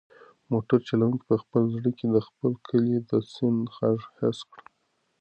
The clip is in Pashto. موټر چلونکي په خپل زړه کې د خپل کلي د سیند غږ حس کړ.